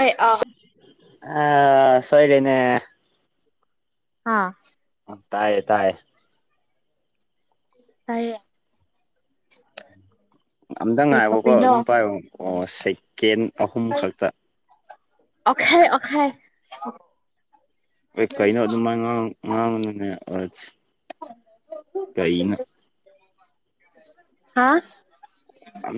ꯍꯣꯏ ꯑꯥ ꯑ ꯁꯣꯏꯔꯅꯦ ꯍꯥꯥ ꯇꯥꯏꯌꯦ ꯇꯥꯏꯌꯦ ꯇꯔꯌꯦ ꯑꯝꯇ ꯉꯥꯏꯕꯀꯣ ꯑꯗꯨꯝ ꯄꯥꯏꯌꯣ ꯑꯣ ꯁꯦꯀꯦꯟ ꯑꯍꯨꯝ ꯈꯛꯇ ꯑꯣꯈꯥꯏ ꯑꯣꯈꯥꯏ ꯑꯦ ꯀꯩꯅꯣ ꯑꯗꯨꯃꯥꯏꯅ ꯉꯥꯡꯕꯅꯤꯅꯦ ꯀꯩꯅ ꯍꯥ ꯌꯥꯝ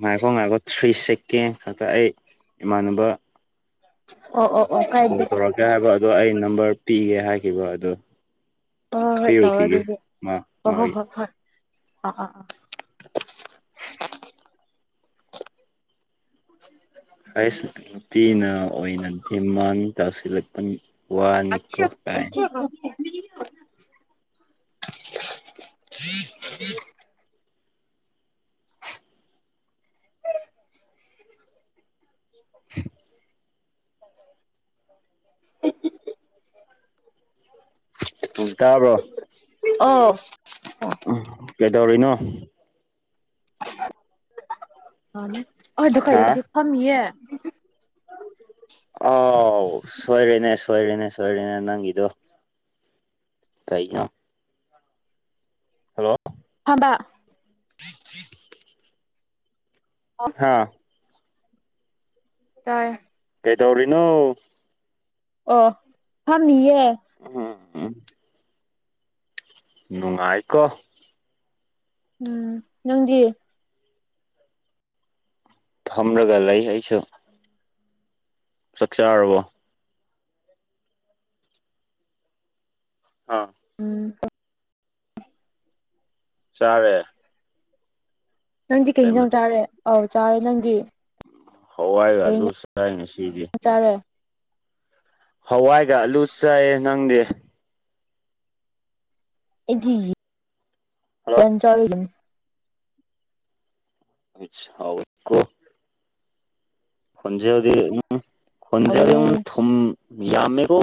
ꯉꯥꯏꯈꯣ ꯉꯥꯏꯈꯣ ꯊ꯭ꯔꯤ ꯁꯦꯦꯛꯀꯦ ꯈꯛꯇ ꯑꯩ ꯏꯃꯥꯟꯅꯕ ꯑꯣ ꯀꯣꯜ ꯇꯧꯔꯛꯀꯦ ꯍꯥꯏꯕ ꯑꯗꯣ ꯑꯩ ꯅꯝꯕꯔ ꯄꯤꯒꯦ ꯍꯥꯏꯈꯤꯕ ꯑꯗꯣ ꯍꯣꯏ ꯍꯣꯏ ꯀ ꯍꯣꯏ ꯇꯧꯔꯣ ꯑꯣꯈꯤꯈꯤꯒꯦ ꯑꯗꯨꯗꯤ ꯋꯥ ꯍꯣꯏ ꯋꯥ ꯍꯣꯏ ꯍꯣꯏ ꯍꯣꯏ ꯑꯥ ꯑꯥ ꯑ [inaudible] ꯑꯩꯁ ꯅꯨꯄꯤꯅ ꯑꯣꯏꯅ ꯗꯤꯃꯥꯟ ꯇꯥꯁꯤꯜꯂꯛꯄ ꯋꯥꯅꯤꯀꯣ ꯀꯥꯏꯟ ꯝ [unintelligible] [unintelligible] [unintelligible] ꯎꯝ ꯇꯥꯕ꯭ꯔꯣ ꯎꯝ ꯀꯩꯗꯧꯔꯤꯅꯣ ꯍꯥ [unintelligible] ꯐꯝꯃꯤꯌꯦ ꯑꯥꯎ ꯁꯣꯏꯔꯦꯅꯦ ꯁꯣꯏꯔꯦꯅꯦ ꯁꯣꯏ__ ꯁꯣꯏꯔꯦꯅꯦ ꯅꯪꯒꯤꯗꯣ ꯀꯩꯅꯣ ꯍꯜꯂꯣ ꯐꯥꯝꯕ ꯍꯥꯥ ꯇꯥꯏꯌꯦ ꯀꯩꯗꯧꯔꯤꯅꯣ ꯑꯣ ꯐꯝꯃꯤꯌꯦ [unintelligible] ꯅꯨꯡꯉꯥꯏꯀꯣ ꯎꯝ ꯅꯪꯗꯤ ꯐꯝꯔꯒ ꯂꯩ ꯑꯩꯁꯨ ꯆꯥꯛ ꯆꯥꯔꯕꯣ ꯑꯥ ꯎꯝ [unintelligible] ꯆꯥꯔꯦ ꯅꯪꯗꯤ ꯀꯩ ꯍꯦꯡꯖꯥꯡ ꯆꯥꯔꯦ ꯑꯧ ꯆꯥꯔꯦ ꯅꯪꯗꯤ ꯍꯋꯥꯏꯒ ꯀꯩ ꯑꯂꯨ ꯍꯤꯟꯖꯥꯡ ꯆꯥꯏ ꯉꯁꯤꯗꯤ ꯆꯥꯔꯦ ꯍꯋꯥꯏꯒ ꯑꯂꯨ ꯆꯥꯏꯌꯦ ꯅꯪꯗꯤ ꯑꯩꯗꯤ ꯍꯜꯂꯣ ꯌꯣꯟ ꯆꯥꯒꯤ__ [unintelligible] [unintelligible] ꯍꯥꯎꯋꯦ ꯈꯣꯟꯖꯦꯜꯗꯤ [unintelligible] ꯈꯣꯟꯖꯦꯜ ꯍꯥꯎꯕꯅꯦ ꯌꯥꯝ ꯊꯨꯝ ꯌꯥꯝꯃꯦꯀꯣ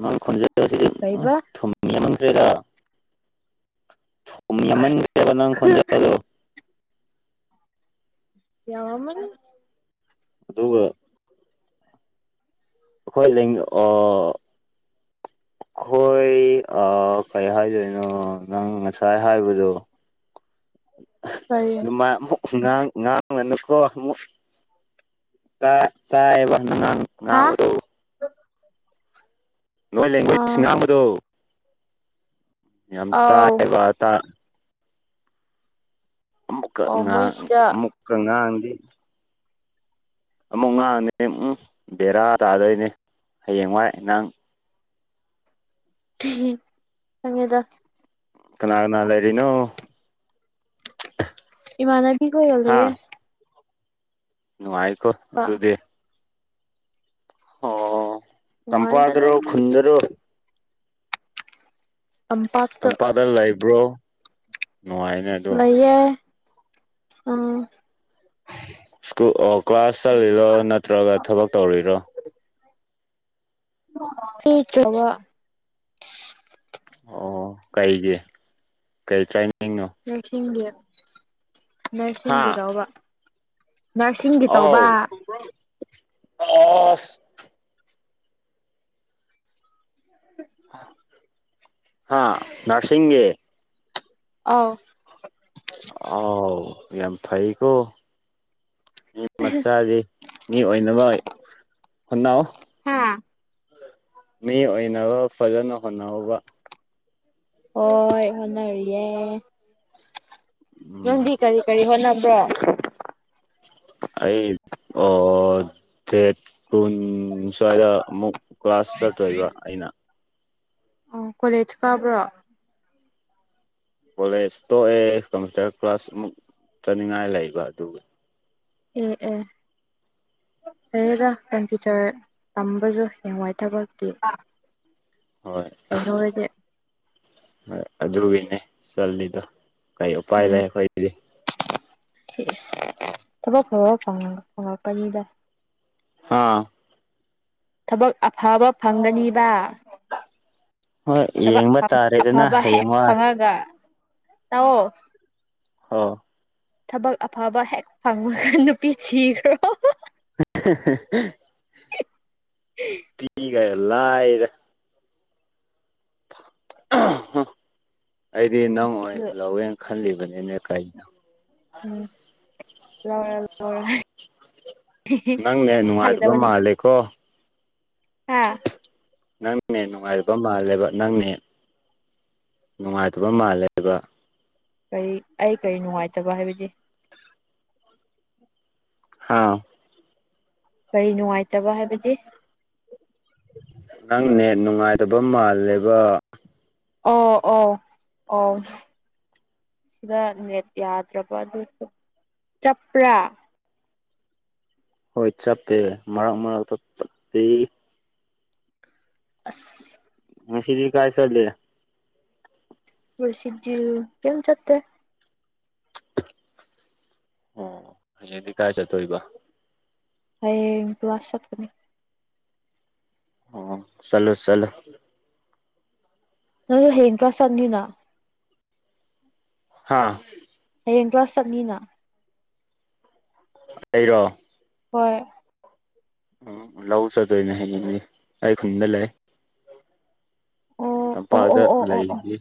ꯅꯪ ꯈꯣꯟꯖꯦꯜꯁꯤꯗꯤ ꯎꯝꯍ ꯀꯩꯕ ꯊꯨꯝ ꯌꯥꯝꯃꯟꯈ꯭ꯔꯦꯗ [unintelligible] ꯊꯨꯝ ꯌꯥꯝꯃꯟꯈ꯭ꯔꯦꯕ ꯅꯪ ꯈꯣꯟꯖꯦꯜꯗꯣ ꯌꯥꯎꯔꯝꯃꯅꯤ ꯑꯗꯨꯒ ꯑꯈꯣꯏ ꯂꯤꯡ ꯑꫭ ꯈꯣꯏ ꯑꯥ ꯀꯩ ꯍꯥꯏꯗꯣꯏꯅꯣ ꯅꯪ ꯉꯁꯥꯏ ꯍꯥꯏꯕꯗꯣ ꯀꯔꯤ [unintelligible] ꯑꯗꯨꯃꯥꯏ ꯑꯃꯨꯛ ꯈꯨꯉꯥꯡ ꯉꯥꯡꯉꯅꯨꯀꯣ ꯑꯃꯨꯛ ꯇꯥꯏ ꯇꯥꯏꯑꯦꯕ ꯅꯪꯅ ꯉꯥꯡ [unintelligible] ꯍꯥ ꯉꯥꯡꯕꯗꯣ ꯅꯣꯏ ꯂ‍ꯦꯡꯒꫭꯏꯆ ꯑꯥ ꯉꯥꯡꯕꯗꯣ ꯌꯥꯝ ꯑꯧ ꯇꯥꯛꯑ‌ꯦꯕ ꯑꯇꯥ ꯑꯃꯨꯛꯀꯥ ꯑꯣ ꯃꯣꯏ ꯉꯥꯡ ꯁꯤꯗ ꯑꯃꯨꯛꯀ ꯉꯥꯡꯉꯗꯤ ꯑꯃꯨꯛ ꯉꯥꯡꯉꯗꯤ ꯎꯝꯍ ꯕꯦꯔꯥ ꯇꯥꯗꯣꯏꯅꯦ ꯍꯌꯦꯡꯋꯥꯏ ꯅꯪ [unintelligible] ꯈꯪꯉꯦꯗ ꯀꯅꯥ ꯀꯅꯥ ꯂꯩꯔꯤꯅꯣ ꯏꯃꯥꯟꯅꯕꯤ ꯍꯥ ꯈꫭꯏꯒꯂꯩꯌ‌ꯦ ꯅꯨꯡꯉꯥꯏꯀꯣ ꯑꯗꯨꯗꯤ ꯑꯣ ꯅꯨꯡꯉꯥꯏꯗ ꯑꯗꯨꯝ ꯇꯝꯄꯥꯛꯗꯔꫭ ꯈꯨꯟꯗꯔꯣ ꯇꯝꯄꯥꯛꯇ ꯂꯩꯕ꯭ꯔꯣ ꯅꯨꯡꯉꯥꯏꯅꯦ ꯑꯗꯣ ꯂꯩꯌꯦ ꯑ ꯁ꯭ꯀꯨꯜ ꯑꯣ ꯀ꯭ꯂꯥꯁ ꯆꯠꯂꯤꯔꯣ ꯅꯠꯇ꯭ꯔꯒ ꯊꯕꯛ ꯇꯧꯔꯤꯔꯣ ꯏꯇ꯭ꯔꯥꯕ ꯑꯣ ꯀꯩꯒꯤ ꯀꯩ ꯆꯥꯏꯅꯤꯡꯅꯣ꯫ ꯅꯁꯤꯡꯒꯤ ꯍꯥ ꯅꯁꯤꯡꯒꯤꯔ‌ꯣꯕ ꯅꯔꯁꯤꯡꯒꯤ ꯇꯧꯕ ꯑꯥꯁ꯫ [inaudible] ꯍꯥ ꯅꯔꯁꯤꯡꯒꯤ꯫ ꯑꯣ ꯑꯥꯎ ꯌꯥꯝ ꯐꯩꯀꯣ ꯃꯤ ꯃꯆꯥꯗꯤ꯫ ꯃꯤ ꯑꯣꯏꯅꯕ ꯍꯣꯠꯅꯧ꯫ ꯃꯤ ꯑꯣꯏꯅꯕ ꯐꯖꯅ ꯍꯣꯠꯅꯧꯕ ꯍꯣꯏ ꯍꯣꯠꯅꯔꯤꯌꯦ ꯎꯝ ꯅꯪꯗꯤ ꯀꯔꯤ꯫ ꯀꯔꯤ ꯍꯣꯠꯅꯕ꯭ꯔꯣ꯫ ꯑꯩ ꯑꯣ ꯗꯦꯠ꯫ ꯀꯨꯟ ꯁ꯭ꯋꯥꯏꯗ ꯑꯃꯨꯛ ꯀ꯭ꯂꯥꯁ ꯆꯠꯇꯣꯏꯕ ꯑꯩꯅ ꯑꯣ ꯀꯣꯂꯦꯖ ꯀꯥꯕ꯭ꯔꯣ꯫ ꯀꯣꯂꯦꯖ ꯇꯣꯛꯑꯦ ꯀꯝꯄ꯭ꯌꯨꯇꯔ ꯀ꯭ꯂꯥꯁ ꯑꯃꯨꯛ ꯆꯠꯅꯤꯡꯉꯥꯏ ꯂꯩꯕ ꯑꯗꯨꯒꯤ ꯑ‌ꯦ ꯑ‌ꯦ ꯐꯌ‌ꯦꯗ ꯀꯝꯄ꯭ꯌꯨꯇꯔ ꯇꯝꯕꯁꯨ ꯍꯌ‌ꯦꯡꯋꯥꯏꯊꯕꯛꯀꯤ꯫ ꯍꯣꯏ ꯍꯣꯏ ꯑꯗꯨꯒꯤꯅꯦ ꯆꯜꯂꯤꯗꯣ꯫ ꯀꯩ ꯎꯄꯥꯏ ꯂꯩ ꯑꯩꯈꯣꯏꯗꯤ ꯐꯤꯁ ꯊꯕꯛ ꯐꯕ ꯐꯪꯉꯛ ꯐꯪꯉꯛꯀꯅꯤꯗ ꯍꯥꯥ꯫ ꯊꯕꯛ ꯑꯐꯕ ꯐꯪꯒꯅꯤꯕ꯫ ꯍꯣꯏ ꯊꯕꯛ ꯌꯦꯡꯕ ꯇꯥꯔꯦꯗꯅ ꯑꯐꯕ ꯍ‌ꯦꯛ ꯍꯌꯦꯡꯋꯥꯏ ꯐꯉꯒ ꯇꯥꯎꯑꫭ꯫ ꯑꯣ ꯊꯕꯛ ꯑꯐꯕ ꯍꯦꯛ ꯐꯪꯕꯒ ꯅꯨꯄꯤ ꯊꯤꯈ꯭ꯔꯣ꯫ [unintelligible] [unintelligible] ꯇꯤꯒꯔ ꯂꯑꯔ ꯑꯩꯗꯤ ꯅꯪ ꯑꯣꯏꯅ ꯑꯩꯁꯨ ꯂꯧꯋꯦꯅ ꯈꯜꯂꯤꯕꯅꯤꯅꯦ ꯀꯩꯅꯣ ꯎꯝ ꯂꯧꯔ ꯂꯧꯔ꯫ ꯅꯪ ꯅ‌ꯦꯠ ꯅꯨꯡꯉꯥꯏꯗꯕ ꯃꯥꯜꯂꯦꯀꯣ꯫ ꯍꯥꯥ ꯅꯪ ꯅꯦꯠ ꯅꯨꯡꯉꯥꯏꯔꯤꯕ ꯃꯥꯜꯂꯦꯕ ꯅꯪ ꯅꯦꯠ ꯅꯨꯡꯉꯥꯏꯇꯕ ꯃꯥꯜꯂꯦꯕ꯫ ꯀꯔꯤ ꯑꯩ ꯀꯔꯤ ꯅꯨꯡꯉꯥꯏꯇꯕ ꯍꯥꯏꯕꯗꯤ꯫ ꯍꯥꯥ꯫ ꯀꯔꯤ ꯅꯨꯡꯉꯥꯏꯇꯕ ꯍꯥꯏꯕꯗꯤ ꯅꯪꯅꯦ ꯅꯨꯡꯉꯥꯏꯇꯕ ꯃꯥꯜꯂꯦꯕ ꯑꯧ ꯑꯧ ꯑꯣ ꯁꯤꯗ ꯅꯦꯠ ꯌꯥꯗ꯭ꯔꯕ ꯑꯗꯨ ꯆꯞꯄ꯭ꯔꯥ ꯍꯣꯏ ꯆꯠꯄꯦ ꯃꯔꯛ ꯃꯔꯛꯇ ꯆꯠꯄꯤ꯫ ꯑꯁ ꯉꯁꯤꯗꯤ ꯀꯥꯏ ꯆꯠꯂꯦ ꯉꯁꯤꯗꯤ ꯀꯩꯌꯝ ꯆꯠꯇꯦ꯫ ꯑꯣ ꯍꯌ‌ꯦꯡꯗꯤ ꯀꯥꯏ ꯆꯠꯇ‌‌ꯣꯏ ꯕ ꯍꯌꯦꯡ ꯀꯂꯥꯁ ꯆꯠꯀꯅꯤ ꯑꯣ ꯆꯂꯣ ꯆꯂꯨ ꯅꯪ ꯍꯌ‌ꯦꯡ ꯀ꯭ꯂꯥꯁꯆꯠꯅꯤꯅ꯫ ꯍꯥꯥ ꯍꯌꯦꯡ ꯀ꯭ꯂꯥꯁ ꯆꯠꯅꯤꯅ ꯑꯩꯔꯣ ꯍꯣꯏ ꯎꯝ ꯂꯧ ꯆꯠꯇꯣꯏꯅꯦ ꯍꯌꯦꯡꯗꯤ ꯑꯩ ꯈꯨꯟꯗ ꯂꯩ ꯑꯣ ꯑꯣ ꯇꯝꯄꯥꯛꯗ ꯑꯣ ꯑꯣ ꯑꯣ ꯑꯣ ꯂꯩꯗꯤ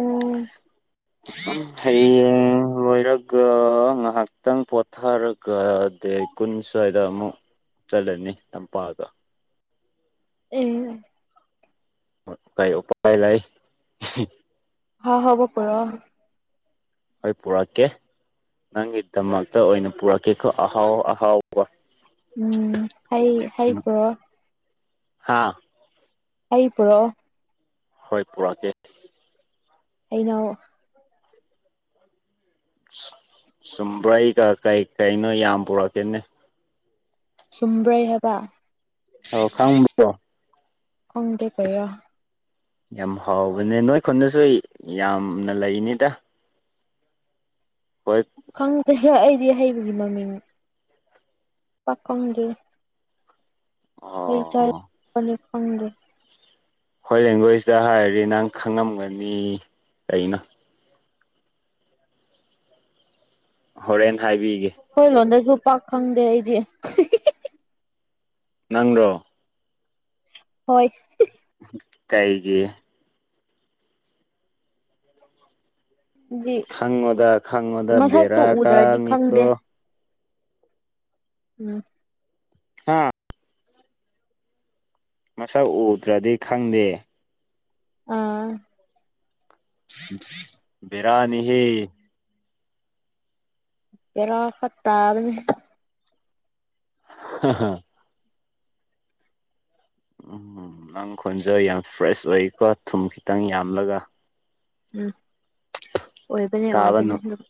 ꯑꯣ ꯍꯌꯦꯡ ꯂꯣꯏꯔꯒ ꯉꯥꯏꯍꯥꯛꯇꯪ ꯄꯣꯊꯥꯔꯒ ꯗꯦ ꯀꯨꯟ ꯁ꯭ꯋꯥꯏꯗ ꯑꯃꯨꯛ ꯆꯠꯂꯅꯤ ꯂꯝꯄꯥꯛꯗ ꯑꯦ ꯀꯩ ꯎꯄꯥꯏ ꯂꯩ ꯑꯍꯥꯎ ꯑꯍꯥꯎꯕ ꯄꫭꯔꯣ ꯍꯣꯏ ꯄꯨꯔꯛꯀꯦ ꯅꯪꯒꯤꯗꯃꯛꯇ ꯑꯣꯏꯅ ꯄꯨꯔꯛꯀꯦꯀꯣ ꯑꯍꯥꯎ ꯑꯍꯥꯎꯕ ꯎꯝ ꯍꯩ ꯍꯩ ꯄꯨꯔꯣ ꯍꯥꯥ ꯑꯩ ꯄꯨꯔꯣ ꯍꯣꯏ ꯄꯨꯔꯛꯀꯦ ꯍꯩꯅꯧ ꯆꯨꯝꯕ꯭ꯔꯩꯒ ꯀꯩ ꯀꯩꯅꯣ ꯌꯥꯝ ꯄꯨꯔꯛꯀꯦꯅꯦ ꯆꯨꯝꯕ꯭ꯔꯩ ꯍꯥꯏꯕ ꯑꯧ ꯈꯪꯕ꯭ꯔꫭ ꯈꯪꯗꯦ ꯀꯔꯤꯔꯥ ꯌꯥꯝ ꯍꯥꯎꯕꯅꯦ ꯅꯣꯏ ꯈꯨꯟꯗꯁꯨ ꯌꯥꯝꯅ ꯂꯩꯅꯤꯗ ꯍꯣꯏ ꯈꯪꯗꯦꯍꯦ ꯑꯩꯗꯤ ꯍꯩꯒꯤ ꯃꯃꯤꯡ ꯄꯥꯀꯣꯡꯗꯤ ꯑꯩ ꯆꯥꯏ ꯑꯣ ꯄꯅꯤ ꯈꯪꯗꯦ ꯍꯣꯏ ꯏꯪꯂꯤꯁꯇ ꯍꯥꯏꯔꯗꯤ ꯅꯪ ꯈꯪꯉꯝꯒꯅꯤ ꯑꯩꯅ ꯍꯣꯔꯦꯟ ꯍꯥꯏꯕꯤꯒꯦ ꯑꯩꯈꯣꯏ ꯂꯣꯟꯗꯁꯨ ꯄꯥꯛ ꯈꯪꯗꯦ ꯑꯩꯗꯤ ꯅꯪ ꯔꯣ ꯍꯣꯏ ꯀꯩꯒꯤ ꯗꯤ ꯈꯪꯉꯣꯗ ꯈꯪꯉꯣꯗ ꯃꯁꯛꯇꯨ ꯕꯦꯔꯥ ꯎꯗ꯭ꯔꯗꯤ ꯀꯥꯅꯤꯀꯣ ꯈꯪꯗꯦ ꯎꯝ ꯍꯥ ꯃꯁꯛ ꯎꯗ꯭ꯔꯗꯤ ꯈꯪꯗꯦ ꯑꯥ ꯕꯦꯔꯥꯅꯤꯍꯦ ꯕꯦꯔꯥ ꯈꯔ ꯇꯥꯕꯅꯤ [unintelligible] ꯎꯝ ꯅꯪ ꯈꯣꯟꯖꯦ ꯌꯥꯝ ꯐ꯭ꯔꯦꯁ ꯑꯣꯏꯀꯣ ꯊꯨꯝ ꯈꯤꯇꯪ ꯌꯥꯝꯂꯒ ꯎꯝ ꯑꯣꯏꯕꯅꯦ ꯇꯥꯕ ꯑꯣꯏꯕꯅꯦ ꯑꯗꯨꯝ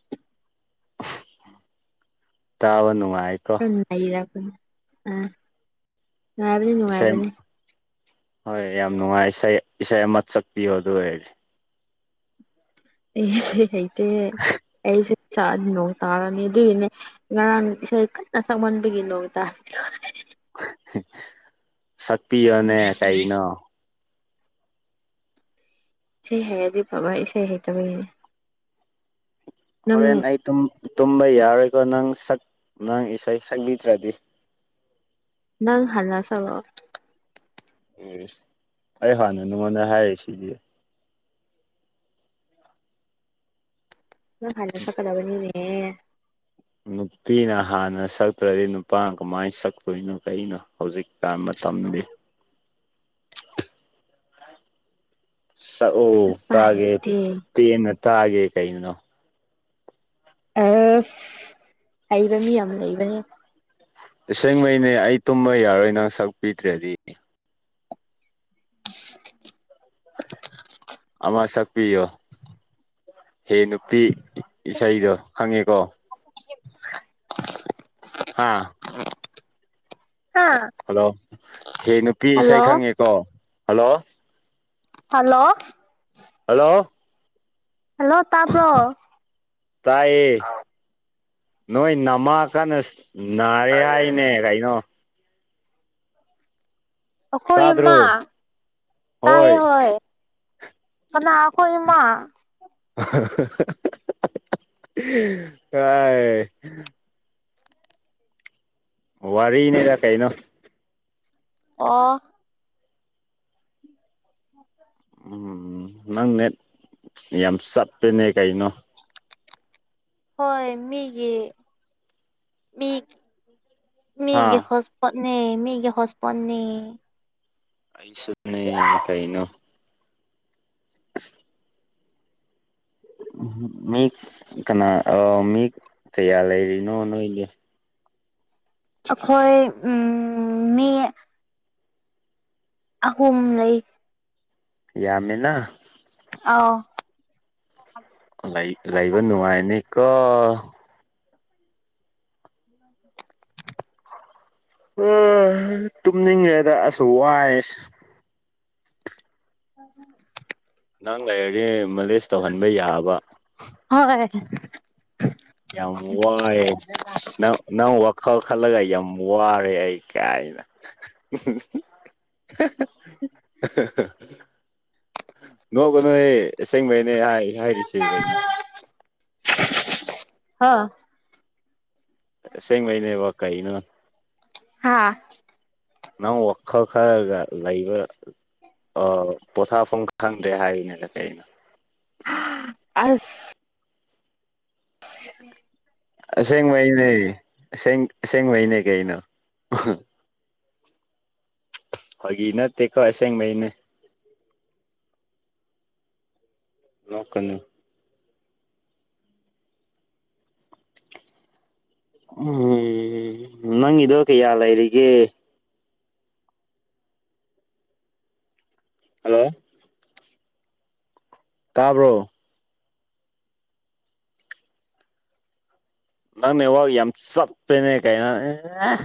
ꯇꯥꯕ ꯅꯨꯡꯉꯥꯏ ꯈꯔ [unintelligible] ꯑ ꯅꯨꯡꯉꯥꯏꯕꯅꯦ ꯏꯁꯩ ꯅꯨꯡꯉꯥꯏꯕꯅꯦ ꯍꯣꯏ ꯌꯥꯝ ꯅꯨꯡꯉꯥꯏ ꯏꯁꯩ ꯏꯁꯩ ꯑꯃ ꯆꯛꯄꯤꯌꯣ ꯑꯗꯨ ꯑꯣꯏꯔꯗꯤ ꯑꯩ ꯏꯁꯩ ꯍꯩꯇꯦ ꯑꯩꯁꯦ ꯁꯛꯑꯗꯤ ꯅꯣꯡ ꯇꯥꯔꯅꯤ ꯑꯗꯨꯏꯅꯦ ꯉꯔꯥꯡ ꯏꯁꯩ ꯀꯟꯅ ꯁꯛꯃꯟꯕꯒꯤ ꯅꯣꯡ ꯇꯥꯔꯤꯗꯣ [unintelligible] ꯁꯛꯄꯤꯌꯣꯅꯦ ꯀꯩꯅꯣ ꯏꯁꯩ ꯍꯩꯔꯗꯤ ꯐꯕ ꯏꯁꯩ ꯍꯩꯇꯕꯒꯤꯅꯦ ꯍꯣꯔꯦꯟ ꯅꯪ ꯑꯩ ꯇꯨꯝ ꯇꯨꯝꯕ ꯌꯥꯔꯣꯏꯀꯣ ꯅꯪ ꯁꯛ ꯅꯪ ꯏꯁꯩ ꯁꯛꯕꯤꯗ꯭ꯔꯗꯤ ꯅ ꯍꯜꯂ ꯇꯧꯔꯛꯑꯣ ꯑꯦ ꯑꯩ ꯍꯥꯟꯅ ꯅꯉꯣꯟꯗ ꯍꯥꯏꯔꯤ ꯁꯤꯗꯤ ꯅ ꯍꯥꯏꯂ ꯆꯀꯗꯕꯅꯤꯅꯦ ꯅꯨꯄꯤꯅ ꯍꯥꯟꯅ ꯁꯛꯇ꯭ꯔꯗꯤ ꯅꯨꯄꯥꯅ ꯀꯃꯥꯏꯅ ꯁꯛꯇꯛꯇꯣꯏꯅꯣ ꯀꯩꯅꯣ ꯍꯧꯖꯤꯛ ꯀꯥꯟ ꯃꯇꯝꯗꯤ [unintelligible] ꯁꯛꯑꯣ ꯄꯥ ꯇꯥꯒꯦ ꯍꯩꯇꯦ ꯄꯦꯟꯅ ꯇꯥꯒꯦ ꯀꯅꯣ ꯑꯁ ꯍꯩꯕ ꯃꯤ ꯌꯥꯝ ꯂꯩꯕꯅꯦ ꯏꯁꯁꯦꯡꯉꯩꯅꯦ ꯑꯩ ꯇꯨꯝꯕ ꯌꯥꯔꯣꯏ ꯅꯪ ꯁꯛꯄꯤꯗ꯭ꯔꯗꯤ ꯃꯥ ꯁꯛꯄꯤꯌꯣ ꯍꯦ ꯅꯨꯄꯤ ꯏꯁꯩꯗꯣ ꯈꯪꯉꯦꯀꯣ [inaudible] ꯍꯥꯥ ꯍꯥꯥ ꯍꯜꯂꯣ ꯍꯦ ꯅꯨꯄꯤ ꯏꯁꯩ ꯑꯣ ꯈꯪꯉꯦꯀꯣ ꯍꯜꯂꯣ ꯍꯜꯂꯣ ꯍꯜꯂꯣ ꯍꯜꯂꯣ ꯇꯥꯕ꯭ꯔꯣ ꯇꯥꯏꯑꯌꯦ ꯅꯣꯏ ꯅꯃꯀꯥꯟ ꯅꯥꯔꯦ ꯍꯥꯏꯅꯦ ꯀꯩꯅꯣ ꯑꯣꯈꯣꯏ ꯏꯃꯥ ꯇꯥꯗ꯭ꯔꯣ ꯇꯥꯏ ꯍꯣꯏ ꯑ ꯑꯈꯣꯏ ꯏꯃ ꯀꯥꯏ ꯋꯥꯔꯤꯅꯦꯗ ꯀꯩꯅꯣ ꯑꯣ ꯎ ꯎ ꯅꯪꯅꯦ ꯌꯥꯝ ꯆꯠꯄꯅꯦ ꯀꯩꯅꯣ ꯍꯣꯏ ꯃꯤꯒꯤ ꯃꯤ ꯃꯤꯒꯤ ꯍꯥ ꯍꯣꯁ ꯍꯣ ꯄꯣꯠꯅꯤ ꯃꯤꯒꯤ ꯍꯣꯁꯄꯣꯠꯅꯤ ꯑꯩꯁꯨꯅ ꯀꯥꯏꯅ [inaudible] ꯎ ꯃꯤ ꯀꯅꯥ ꯃꯤ ꯀꯌꯥ ꯂꯩꯔꯤꯅꯣ ꯅꯣꯏꯒꯤ ꯑꯩꯈꯣꯏ ꯎꯝ ꯃꯤ ꯑꯍꯨꯝ ꯂꯩ ꯌꯥꯝꯃꯤꯅ ꯑꯥꯎ ꯂꯩꯕ ꯅꯨꯡꯉꯥꯏꯅꯦꯀ ꯏ ꯑ ꯇꯨꯝꯅꯤꯡꯈꯦꯗ ꯑꯁꯨ ꯋꯥꯏꯁ ꯑ ꯅꯍꯪ ꯂꯩꯥꯏꯔꯛꯁ ꯃꯂꯦꯖ ꯇꯧꯍꯟꯕ ꯌꯥꯕ ꯍꯣꯏ ꯌꯥꯝ ꯋꯥꯏꯌꯦ ꯅꯪ ꯅꯪ ꯋꯥꯈꯜ ꯈꯜꯂꯒ ꯌꯥꯝ ꯋꯥꯔꯦ ꯑꯩ ꯀꯥꯏꯥꯏꯅ [unintelligible] ꯅꯣꯛꯒ ꯅꯣꯏ ꯑꯁꯦꯡꯕꯩꯅꯦ ꯍꯥꯏꯔꯤꯁꯦ ꯀꯒꯤꯩꯅꯣ ꯍꯥ ꯁꯦꯡ ꯃꯅꯦꯕ ꯀꯩꯅꯣ ꯍꯥꯥ ꯅꯪ ꯋꯥꯈꯜ ꯈꯔꯒ ꯂꯩꯕ ꯄꯣꯊꯥꯐꯝ ꯈꯪꯗ꯭ꯔꯦ ꯍꯥꯏꯔꯤꯅꯦꯀ ꯑꯩꯅ ꯑꯁ ꯎ ꯎꯝ ꯁꯦꯡ ꯋꯥꯏꯅꯦ ꯁꯦꯡ ꯁꯦꯡ ꯋꯥꯏꯅꯦ ꯀꯩꯅꯣ ꯍꯒꯤꯅ ꯇ ꯀ ꯑꯁꯦꯡ ꯃꯅꯦ ꯂꯣꯛ ꯀꯅꯤ ꯎꯝ ꯅꯪꯒꯤꯗꯣ ꯀꯌꯥ ꯂꯩꯔꯤꯒꯦ ꯍꯜꯂꯣ ꯇꯥꯕ꯭ꯔꯣ ꯅꯪꯅꯦ ꯋꯥ ꯌꯥꯝ ꯆꯠꯄꯦꯅꯦ ꯀꯥꯏꯅ ꯑꯦ